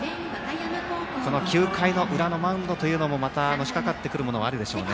この９回の裏のマウンドというのもまた、のしかかってくるものがあるでしょうね。